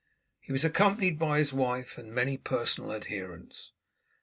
He was accompanied by his wife and many personal adherents.